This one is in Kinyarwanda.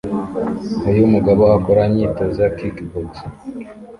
Uyu mugabo akora imyitozo ya kickbox